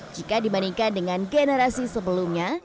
jika dibandingkan dengan generasi sebelumnya